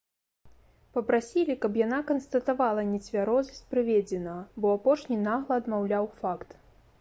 Папрасілі, каб яна канстатавала нецвярозасць прыведзенага, бо апошні нагла адмаўляў факт!